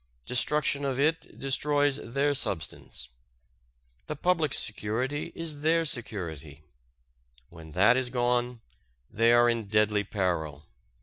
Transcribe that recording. Destruction of it destroys their substance. The public security is their security. When that is gone they are in deadly peril.